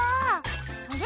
あれ？